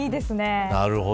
なるほど。